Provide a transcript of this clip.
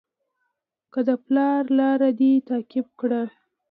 که د پلار لاره دې تعقیب کړه.